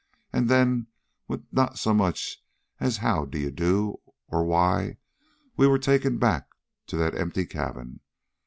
And then, with not so much as a how do you do, or why, we were taken back to that empty cabin.